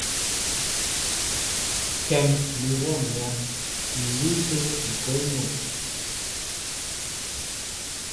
Kɛ́m mi wɔ́ŋyǎ, ǹ líí ápé ŋ̀kôl mol.